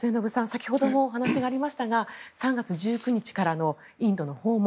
先ほどもお話がありましたが３月１９日からのインドの訪問。